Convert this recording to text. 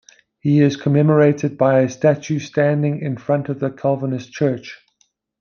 He is commemorated by a statue standing in front of the Calvinist church.